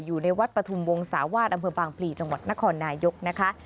อยู่ในวัดปฐุมวงศาวาสอำเภอบางพลีจังหวัดนครนายกนะคะ